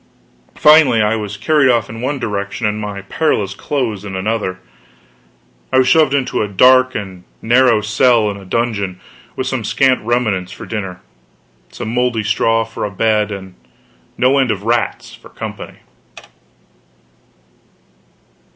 Finally I was carried off in one direction, and my perilous clothes in another. I was shoved into a dark and narrow cell in a dungeon, with some scant remnants for dinner, some moldy straw for a bed, and no end of rats for company.